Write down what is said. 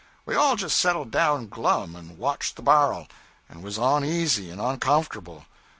We all just settled down glum, and watched the bar'l, and was oneasy and oncomfortable.